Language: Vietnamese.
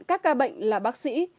các ca bệnh là bác sĩ